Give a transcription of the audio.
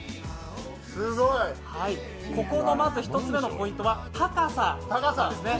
ここの１つ目のポイントは高さですね。